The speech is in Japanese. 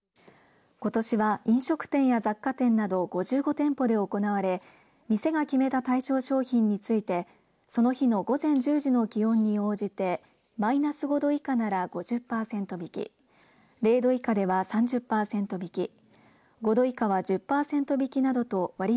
ことしは飲食店や雑貨店など５５店舗で行われ店が決めた対象商品についてその日の午前１０時の気温に応じてマイナス５度以下なら５０パーセント引き０度以下では３０パーセント引き